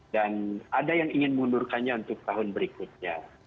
dan ada yang ingin mundurkannya untuk tahun berikutnya